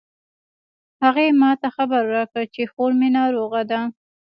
هغې ما ته خبر راکړ چې خور می ناروغه ده